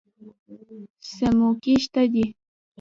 سیموکې شته دي.